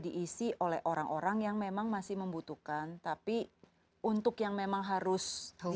diisi oleh orang orang yang memang masih membutuhkan tapi untuk yang memang harus